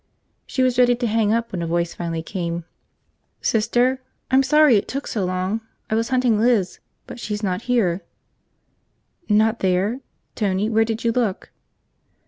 She was ready to hang up when a voice finally came. "Sister? I'm sorry I took so long. I was hunting Liz, but she's not here." "Not there? Tony, where did you look?"